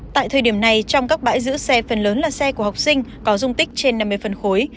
tại thời điểm này trong các bãi giữ xe phần lớn là xe của học sinh có dung tích trên năm mươi phân khối